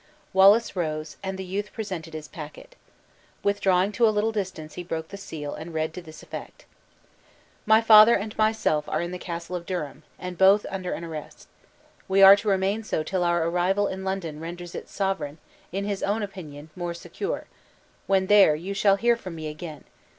Wallace rose, and the youth presented his packet. Withdrawing to a little distance, he broke the seal, and read to this effect: "My father and myself are in the Castle of Durham, and both under an arrest. We are to remain so till our arrival in London renders its sovereign, in his own opinion, more secure: when there, you shall hear from me again.